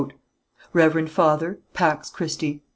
"Reverend Father: Pax Christi.